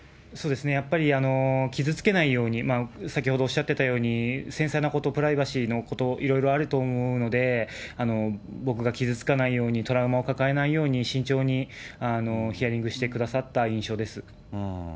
やっぱり傷つけないように、先ほどおっしゃってたように、繊細なこと、プライバシーなこと、いろいろあると思うので、僕が傷つかないように、トラウマを抱えないように、慎重にヒアリングしてくださった印象です。